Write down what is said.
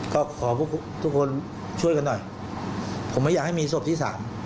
ก็ขอพวกทุกคนช่วยกันหน่อยผมไม่อยากให้มีศพที่สาม